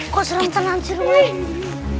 kok serem tenang sih rumahnya